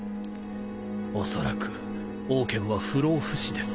おそらくオウケンは不老不死です。